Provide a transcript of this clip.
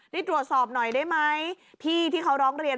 นี่รอกสอบหน่อยได้มั้ย